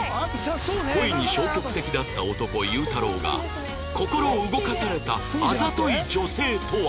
恋に消極的だった男祐太郎が心を動かされたあざとい女性とは？